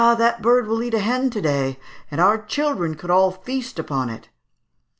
that bird will eat a hen to day, and our children could all feast upon it!"